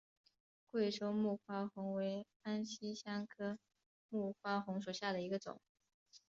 贵州木瓜红为安息香科木瓜红属下的一个种。